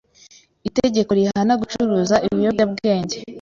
itegeko rihana gucuruza ibiyobyabwenge